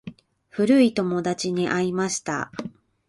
古い友達に会いました。